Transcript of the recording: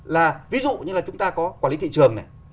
là ví dụ như là chúng ta có quản lý thị trường này